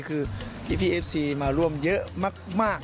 คือพี่เอฟซีมาร่วมเยอะมาก